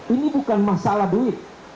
ini bukan masalah duit